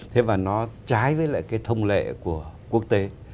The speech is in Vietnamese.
thế và nó trái với lại cái thông lệ của quốc tế